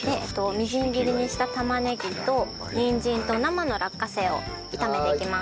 みじん切りにした玉ねぎとニンジンと生の落花生を炒めていきます。